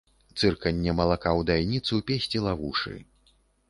Цырканне малака ў дайніцу песціла вушы.